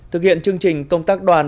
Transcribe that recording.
thực hiện chương trình công tác đoàn